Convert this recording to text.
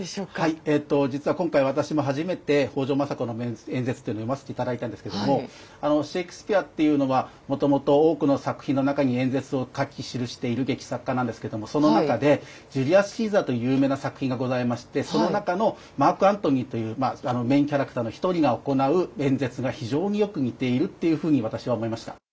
実は今回私も初めて北条政子の演説というのを読ませて頂いたんですけどもシェークスピアっていうのはもともと多くの作品の中に演説を書き記している劇作家なんですけどもその中で「ジュリアス・シーザー」という有名な作品がございましてその中のマーク・アントニーというまあメインキャラクターの一人が行う演説が非常によく似てるっていうふうに私は思いました。